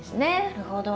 なるほど。